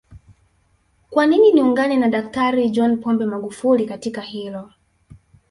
Kwanini niungane na Daktari John Pombe Magufuli katika hilo